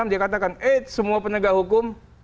yang semua penegak hukum